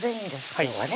今日はね